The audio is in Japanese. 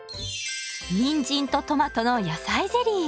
にんじんとトマトの野菜ゼリー。